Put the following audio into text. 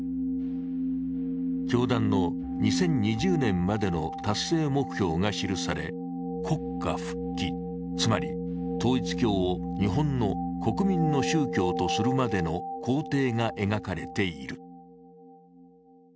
教団の２０２０年までの達成目標が記され国家復帰、つまり統一教を日本の国民の宗教とするまでの工程が描かれている。